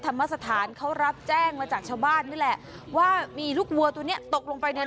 ธรรมสถานเขารับแจ้งมาจากชาวบ้านนี่แหละว่ามีลูกวัวตัวเนี้ยตกลงไปใน